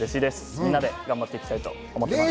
みんなで頑張っていきたいと思います。